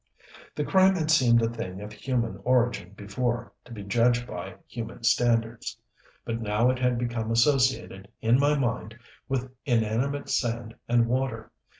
The crime had seemed a thing of human origin before, to be judged by human standards, but now it had become associated, in my mind, with inanimate sand and water.